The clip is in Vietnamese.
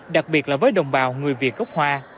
đặc biệt là với đồng bào người việt gốc hoa